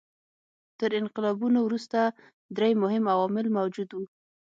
تر انقلابونو وروسته درې مهم عوامل موجود وو.